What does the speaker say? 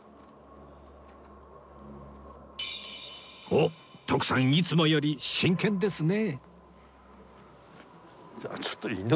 おっ徳さんいつもより真剣ですね